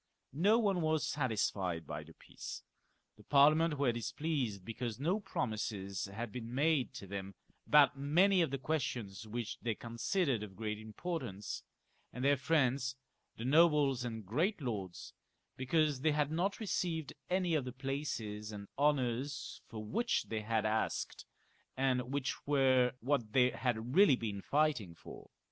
No one was satisfied by the peace : the Parliament, because no pro mises had been made to them about many of the questions which they considered of great importance, and their friends, the nobles and great lords, because they had not received any of the places and honours for which they had asked, and which were what they had really been fighting for.